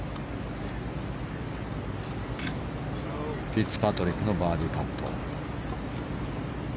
フィッツパトリックのバーディーパット。